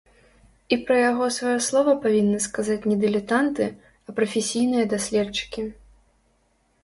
І пра яго сваё слова павінны сказаць не дылетанты, а прафесійныя даследчыкі.